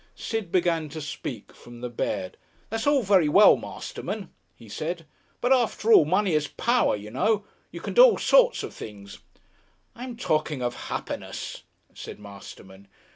Sid began to speak from the bed. "That's all very well, Masterman," he said, "but, after all, money is Power, you know. You can do all sorts of things " "I'm talking of happiness," said Masterman.